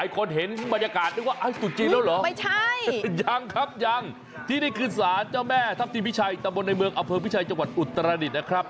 กระทับในเมืองอ่าเฟืองพิชัยจังหวัดอุตรดิตนะครับ